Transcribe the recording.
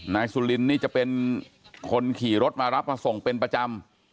นายสุลินนี่จะเป็นคนขี่รถมารับมาส่งเป็นประจำ